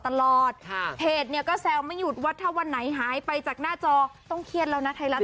เพจเนี่ยก็แซวไม่หยุดว่าถ้าวันไหนหายไปจากหน้าจอต้องเครียดแล้วนะไทยรัฐ